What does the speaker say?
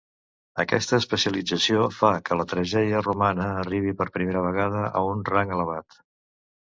Aquesta especialització fa que la tragèdia romana arribi per primera vegada a un rang elevat.